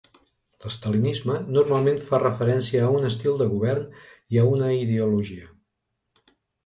L'estalinisme normalment fa referència a un estil de govern i a una ideologia.